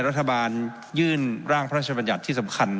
รัฐบาลยื่นร่างพระราชบัญญัติที่สำคัญ